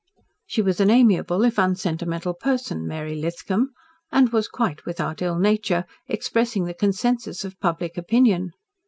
She was an amiable, if unsentimental person, Mary Lithcom and was, quite without ill nature, expressing the consensus of public opinion.